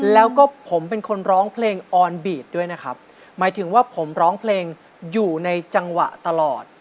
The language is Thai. แล้วก็ผมเป็นคนร้องเพลงออนบีดด้วยนะครับหมายถึงว่าผมร้องเพลงอยู่ในจังหวะตลอด